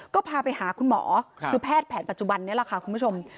ก็พาไปหาคุณหมอคือแพทย์แผนปัจจุบันนี้แหละค่ะคุณผู้ชม